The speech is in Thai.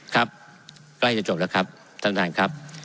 ครับใกล้จะจบแล้วครับท่านท่านครับ